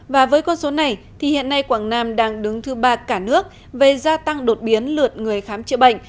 và với con số này thì hiện nay quảng nam đang đứng thứ ba cả nước về gia tăng đột biến lượt người khám chữa bệnh